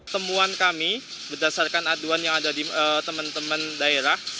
temuan kami berdasarkan aduan yang ada di teman teman daerah